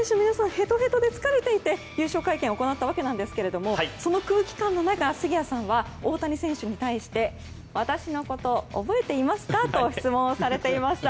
へとへとで疲れていて優勝会見を行ったわけなんですがその空気感の中、杉谷さんは大谷選手に対して私のこと覚えていますか？と質問されていました。